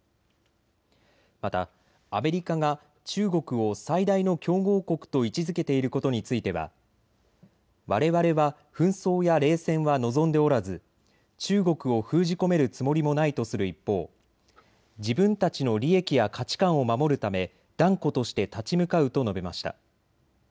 またアメリカが中国を最大の競合国と位置づけていることについてはわれわれは紛争や冷戦は望んでおらず中国を封じ込めるつもりもないとする一方、自分たちの利益や価値観を守るため断固として立ち向かうと述べました。